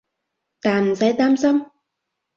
但唔使擔心